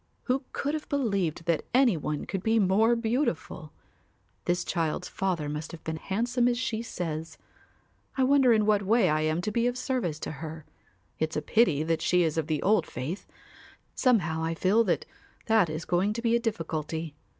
Who could have believed that any one could be more beautiful? This child's father must have been handsome as she says. I wonder in what way I am to be of service to her. It's a pity that she is of the old faith. Somehow I feel that that is going to be a difficulty.